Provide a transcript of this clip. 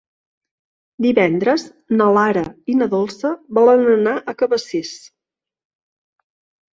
Divendres na Lara i na Dolça volen anar a Cabacés.